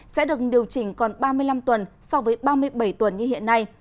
sẽ được điều chỉnh còn ba mươi năm tuần so với ba mươi bảy tuần như hiện nay